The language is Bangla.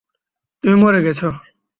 তুমি মরে গেছো।